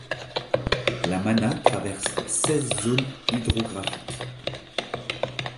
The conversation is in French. La Mana traverse seize zones hydrographiques.